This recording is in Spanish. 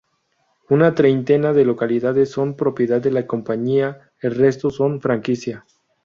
Una treintena de localidades son propiedad de la compañía, el resto son franquicia.